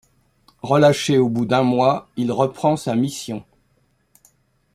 Relâché au bout d'un mois, il reprend sa mission.